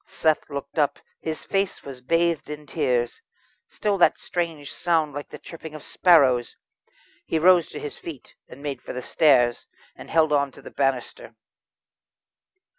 Seth looked up; his face was bathed in tears. Still that strange sound like the chirping of sparrows. He rose to his feet and made for the stairs, and held on to the banister.